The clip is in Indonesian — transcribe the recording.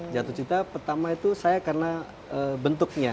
jatuh cinta pertama itu saya karena bentuknya